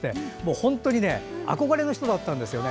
本当に憧れの人だったんですよね。